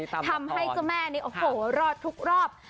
ทำให้เจ้าแม่นี่โอ้โหรอดทุกรอบ